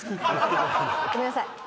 ごめんなさい。